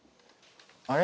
あれ？